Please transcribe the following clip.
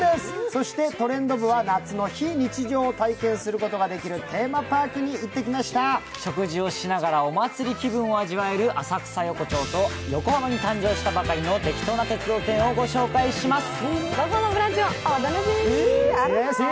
そして「トレンド部」は夏の非日常を体験することができる食事をしながらお祭り気分を味わえる浅草横丁と横浜に誕生したばかりのてきとな鉄道展をご紹介します。